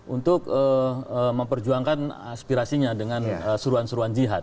untuk memperjuangkan aspirasinya dengan seruan seruan jihad